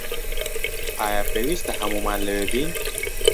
ئایا پێویستە هەموومان لەوێ بین؟